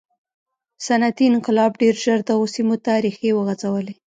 صنعتي انقلاب ډېر ژر دغو سیمو ته ریښې وغځولې.